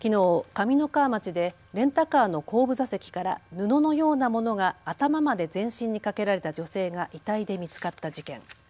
上三川町でレンタカーの後部座席から布のようなものが頭まで全身にかけられた女性が遺体で見つかった事件。